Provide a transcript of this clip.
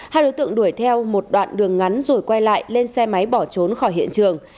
hai đối tượng đuổi theo một đoạn đường ngắn rồi quay lại lên xe máy bỏ trốn khỏi hiện trường